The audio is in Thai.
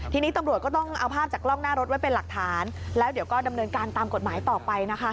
ทีนี้ตำรวจก็ต้องเอาภาพจากกล้องหน้ารถไว้เป็นหลักฐานแล้วเดี๋ยวก็ดำเนินการตามกฎหมายต่อไปนะคะ